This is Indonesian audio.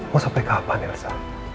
mau sampai kapan ilsa